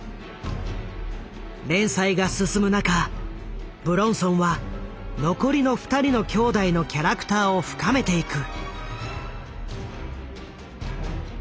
連載が進む中武論尊は残りの２人の兄弟のキャラクターを深めていく。